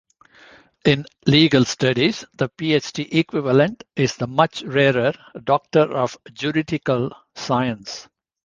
In legal studies the Ph.D. equivalent is the much rarer Doctor of Juridical Science.